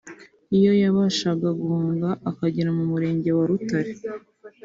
Iyo yabashaga guhunga akagera mu Murenge wa Rutare